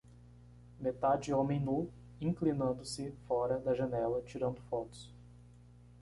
Metade homem nu, inclinando-se fora da janela, tirando fotos.